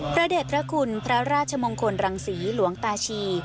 พระเด็จพระคุณพระราชมงคลรังศรีหลวงตาชี